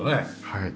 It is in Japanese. はい。